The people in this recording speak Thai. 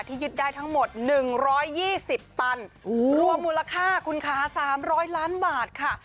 ยึดได้ทั้งหมด๑๒๐ตันรวมมูลค่าคุณค้า๓๐๐ล้านบาทค่ะ